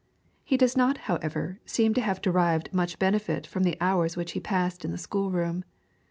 He does not, however, seem to have derived much benefit from the hours which he passed in the schoolroom.